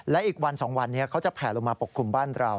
และอีกวัน๒วันนี้เขาจะแผลลงมาปกคลุมบ้านเรา